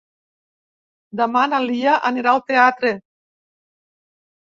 Demà na Lia anirà al teatre.